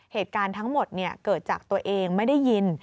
เหตุการณ์ทั้งหมดเกิดจากตัวเองไม่ได้ยิน